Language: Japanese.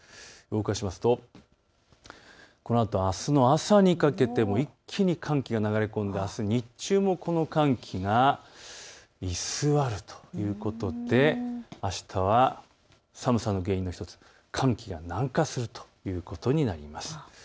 動かすと、このあとあすの朝にかけて一気に寒気が流れ込んであす日中もこの寒気が居座るということであしたは寒さの原因の１つ、寒気が南下するということになります。